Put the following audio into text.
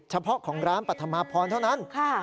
เฉพาะของร้านปัธมาพรเท่านั้น